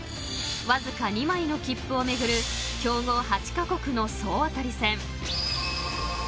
［わずか２枚の切符を巡る強豪８カ国の総当たり戦］